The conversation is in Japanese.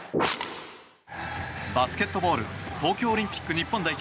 バスケットボール東京オリンピック日本代表